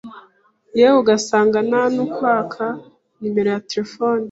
Yewe ugasanga ntanukwaka numero ya telefone